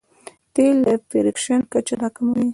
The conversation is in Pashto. تېل د فریکشن کچه راکموي.